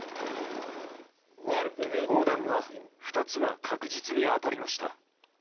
砲弾は２つは確実に当たりました。